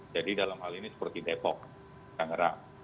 jadi dalam hal ini seperti depok kangarang